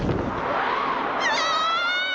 うわ！